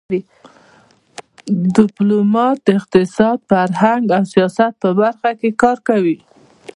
ډيپلومات د اقتصاد، فرهنګ او سیاست په برخه کې کار کوي.